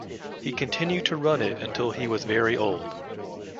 He continued to run it until he was very old.